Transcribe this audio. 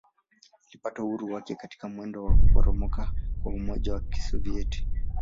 Ilipata uhuru wake katika mwendo wa kuporomoka kwa Umoja wa Kisovyeti.